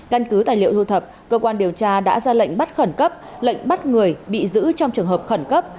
căn cứ tài liệu lưu thập cơ quan điều tra đã ra lệnh bắt khẩn cấp lệnh bắt người bị giữ trong trường hợp khẩn cấp